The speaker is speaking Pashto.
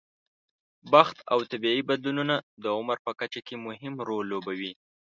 بخت او طبیعي بدلونونه د عمر په کچه کې مهم رول لوبوي.